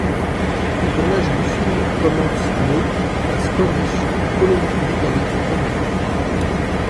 Le tournage du film commence le à Squamish en Colombie-Britannique au Canada.